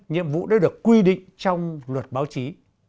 nhiệm vụ đã được quy định trong luật báo chí